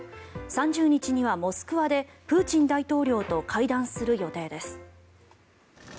３０日にはモスクワでプーチン大統領と会談する予定です。